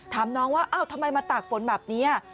ถามน้องว่าอ้าวทำไมมาตากฝนแบบนี้